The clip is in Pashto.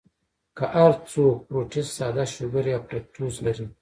کۀ هر څو فروټس ساده شوګر يا فرکټوز لري